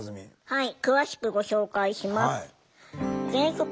はい。